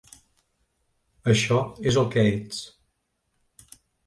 Això és el que ets!